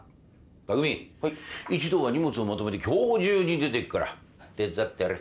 匠一同は荷物をまとめて今日中に出ていくから手伝ってやれ。